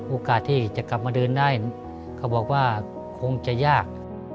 โอกาสที่จะกลับมาเดินได้เขาบอกว่าคงจะยาก